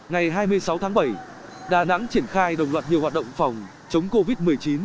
ngày hai mươi sáu tháng bảy đà nẵng triển khai đồng loạt nhiều hoạt động phòng chống covid một mươi chín